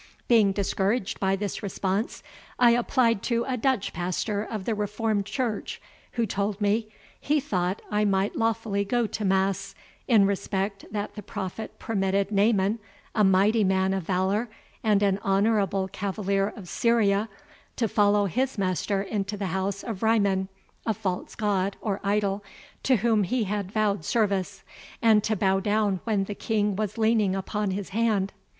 Being discouraged by this response, I applied to a Dutch pastor of the reformed church, who told me, he thought I might lawfully go to mass, in respect that the prophet permitted Naaman, a mighty man of valour, and an honourable cavalier of Syria, to follow his master into the house of Rimmon, a false god, or idol, to whom he had vowed service, and to bow down when the king was leaning upon his hand.